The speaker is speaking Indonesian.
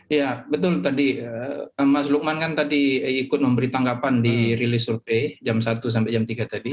iya betul tadi mas lukman kan tadi ikut memberi tanggapan di rilis survei jam satu sampai jam tiga tadi